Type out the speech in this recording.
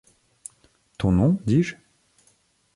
Ton nom ?— dis-je.